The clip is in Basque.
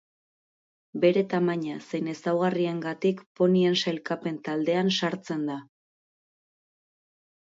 Bere tamaina zein ezaugarriengatik ponien sailkapen taldean sartzen da.